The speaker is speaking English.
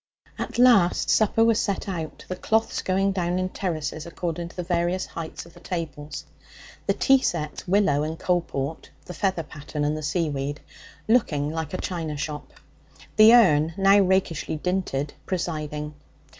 At last supper was set out, the cloths going in terraces according to the various heights of the tables; the tea sets willow and Coalport, the feather pattern, and the seaweed looking like a china shop; the urn, now rakishly dinted, presiding.